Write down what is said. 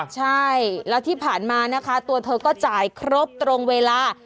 ใช่แล้วที่ผ่านมานะคะตัวเธอก็จ่ายครบตรงเวลา